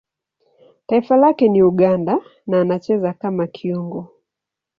Taifa lake ni Uganda na anacheza kama kiungo.